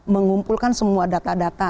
mengumpulkan semua data data